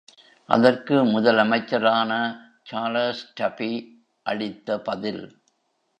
அதற்கு முதல் அமைச்சரான சார்லஸ் டபி அளித்த பதில்.